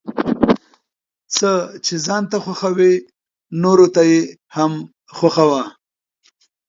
څه چې ځان ته خوښوې نوروته يې هم خوښوه ،